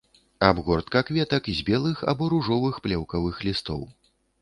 Абгортка кветак з белых або ружовых плеўкавых лістоў.